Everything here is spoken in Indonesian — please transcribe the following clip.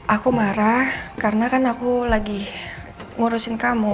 aku marah karena kan aku lagi ngurusin kamu